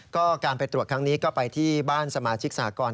ก็การไปตรวจครั้งนี้ก็ไปที่บ้านสมาชิกสหกร